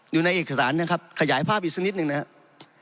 อยู่ในเอกสารนะครับขยายภาพอีกสักนิดหนึ่งนะครับ